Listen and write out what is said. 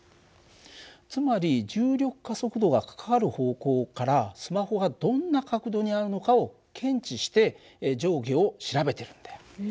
つまり重力加速度がかかる方向からスマホがどんな角度にあるのかを検知して上下を調べてるんだよ。